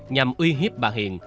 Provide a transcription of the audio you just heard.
nhằm uy hiếp bà hiền